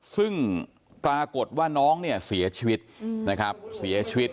ซึ่งปรากฏว่าน้องเนี่ยเสียชีวิตนะครับเสียชีวิต